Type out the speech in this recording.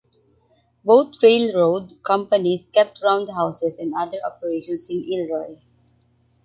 Both railroad companies kept roundhouses and other operations in Elroy.